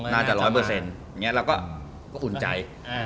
ร้อยเปอร์เซ็นต์อย่างนี้เราก็อุ่นใจ